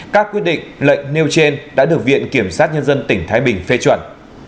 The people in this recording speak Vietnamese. các quyết định lệnh nêu trên đã được viện kiểm sát nhân dân tỉnh thái bình phê chuẩn